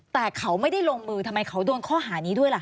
แต่เขาไม่ได้ลงมือทำไมเขาโดนข้อหานี้ด้วยล่ะ